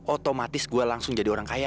otomatis aku langsung menjadi orang kaya